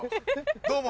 どうも。